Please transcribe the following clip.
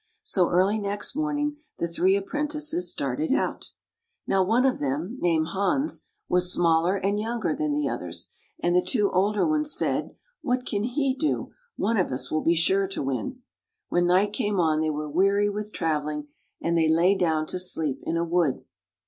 " So early next morning the three appren tices started out. Now one of them, named Hans, was smaller and younger than the others, and the two older ones said, " What can he do? One of us will be sure to win." When night came on they were weary with traveling, and they lay down to sleep in a wood.